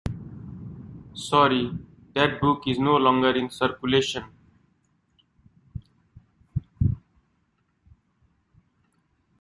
Sorry, that book is no longer in circulation.